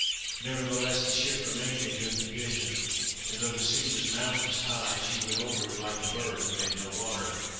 Nevertheless the ship remained in good condition, and, though the sea was mountains high, she went over it like a bird, and made no water.